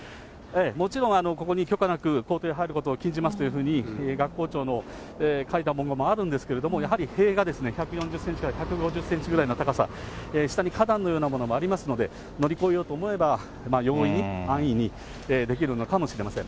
もちろん、ここに許可なく校庭に入ることを禁じますというふうに、学校長の書いた文言もあるんですけれども、やはり塀が１４０センチから１５０センチぐらいの高さ、下に花壇のようなものもありますので、乗り越えようと思えば、容易に、安易に、できるのかもしれません。